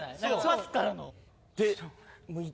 パスからの。